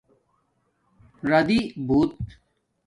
رادی بوت